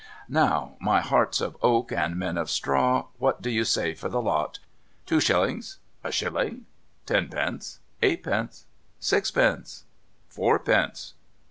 Now, my hearts of oak and men of straw, what do you say for the lot ? Two shillings, a shilling, tenpence, eightpence, sixpence, fourpence.